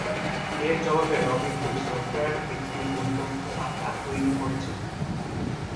এর জবাবে Robin Hood software একটি "ভুল তথ্য পাতা" তৈরি করেছে।